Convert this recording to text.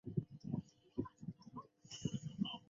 朗里万人口变化图示